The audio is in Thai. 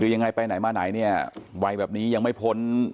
คือยังไงไปไหนมาไหนเนี่ยวัยแบบนี้ยังไม่พ้น